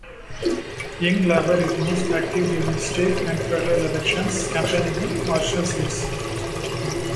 Young Labor is most active during state and federal elections, campaigning in marginal seats.